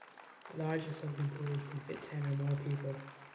The larger soaking pools can fit ten or more people.